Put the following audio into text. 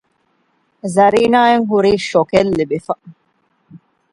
ޒަރީނާ އަށް ހުރީ ޝޮކެއް ލިބިފަ